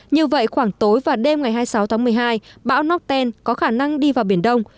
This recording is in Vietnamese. như vậy khoảng tối và đêm ngày hai mươi sáu tháng một mươi hai bão northen có khả năng đi vào biển đông